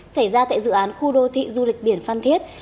xảy ra tại dự án khu đô thị du lịch biển phan thiết